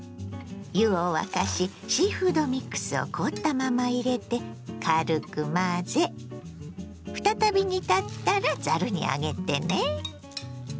湯を沸かしシーフードミックスを凍ったまま入れて軽く混ぜ再び煮立ったらざるに上げてね。